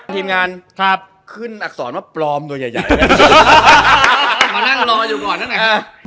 ทีมงานขึ้นอักษรว่าปลอมตัวใหญ่มานั่งรออยู่ก่อนนั่นแหละฮะ